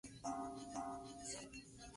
El autor nunca le puso título.